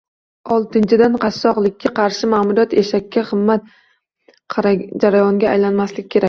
Oltinchidan, qashshoqlikka qarshi ma'muriyat "eshakka qimmat" jarayonga aylanmasligi kerak